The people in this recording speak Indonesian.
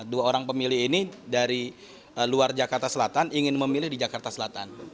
dua orang pemilih ini dari luar jakarta selatan ingin memilih di jakarta selatan